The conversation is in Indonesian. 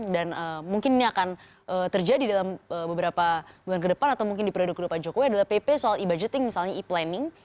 dan mungkin ini akan terjadi dalam beberapa bulan ke depan atau mungkin diprodok oleh pak jokowi adalah pp soal e budgeting misalnya e planning